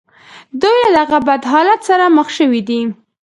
دوی له دغه بد حالت سره مخ شوي دي